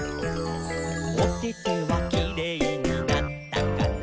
「おててはキレイになったかな？」